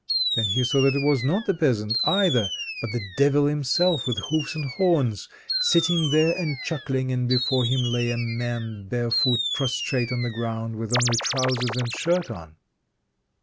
Then he saw that it was not the peasant either, but the Devil himself with hoofs and horns, sitting there and chuckling, and before him lay a man barefoot, prostrate on the ground, with only trousers and a shirt on.